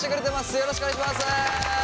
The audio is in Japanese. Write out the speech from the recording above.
よろしくお願いします。